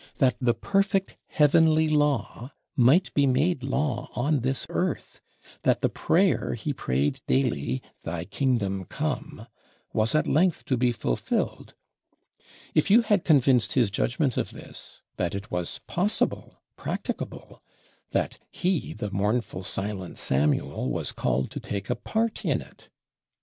That the perfect Heavenly Law might be made Law on this Earth; that the prayer he prayed daily, "Thy kingdom come," was at length to be fulfilled! If you had convinced his judgment of this; that it was possible, practicable; that he the mournful silent Samuel was called to take a part in it!